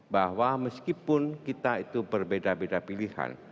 bahwa meskipun kita itu berbeda beda pilihan